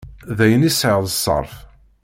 D ayen i sɛiɣ d ṣṣerf.